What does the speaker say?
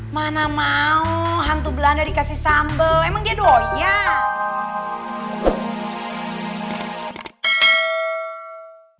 mana mau hantu belanda dikasih sambal emang dia loyal